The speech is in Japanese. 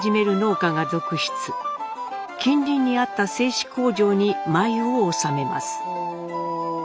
近隣にあった製糸工場に繭を納めます。